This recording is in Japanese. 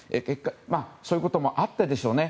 そういうこともあってでしょうね。